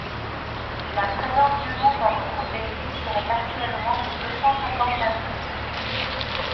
La présence du loup dans notre pays serait actuellement de deux cent cinquante individus.